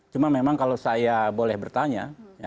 cuma memang kalau saya boleh bertanya